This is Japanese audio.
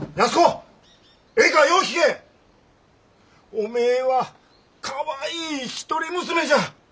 おめえはかわいい一人娘じゃ。